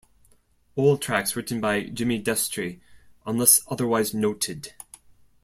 All tracks written by Jimmy Destri unless otherwise noted.